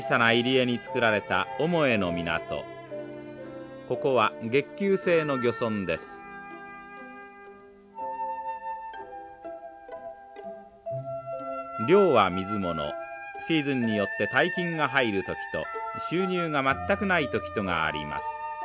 漁は水ものシーズンによって大金が入る時と収入が全くない時とがあります。